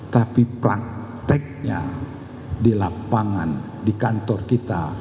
tapi prakteknya di lapangan di kantor kita